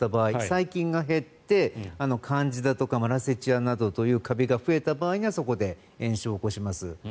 細菌が減ってカンジダとかマラセチアなどのカビが増えた時にはそこで炎症を起こします。